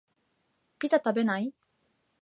ピザ食べない？